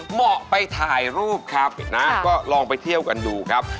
เหมาะไปถ่ายรูปครับนะก็ลองไปเที่ยวกันดูครับ